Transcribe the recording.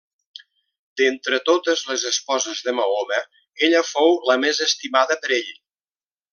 D'entre totes les esposes de Mahoma, ella fou la més estimada per ell.